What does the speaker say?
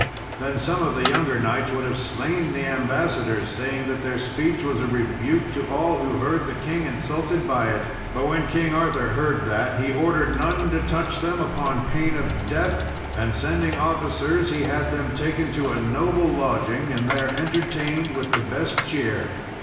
Then some of the younger knights would have slain the ambassadors, saying that their speech was a rebuke to all who heard the king insulted by it. But when King Arthur heard that, he ordered none to touch them upon pain of death; and sending officers, he had them taken to a noble lodging, and there entertained with the best cheer.